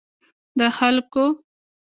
د خلګو